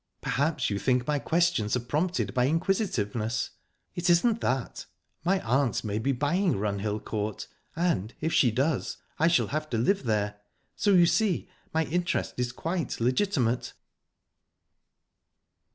"Perhaps you think my questions are prompted by inquisitiveness? It isn't that. My aunt may be buying Runhill Court, and, if she does, I shall have to live there; so you see my interest is quite legitimate."